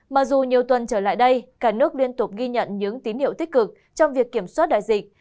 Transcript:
mặc dù nhiều tuần trở lại đây cả nước liên tục ghi nhận những tín hiệu tích cực trong việc kiểm soát đại dịch